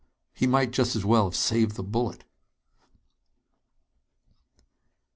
He might just as well have saved the bullet!